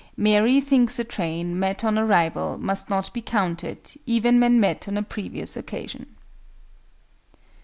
MARY thinks a train, met on arrival, must not be counted, even when met on a previous occasion.